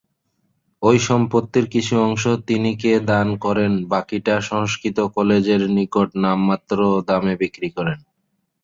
ওই সম্পত্তির কিছু অংশ তিনি কে দান করেন বাকিটা সংস্কৃত কলেজের নিকট নামমাত্র দামে বিক্রি করেন।